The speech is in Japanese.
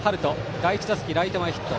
第１打席はライト前ヒット。